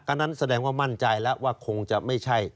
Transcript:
อันนั้นแสดงว่ามั่นใจแล้วว่าคงจะไม่ใช่